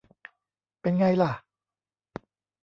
เป็นไงล่ะ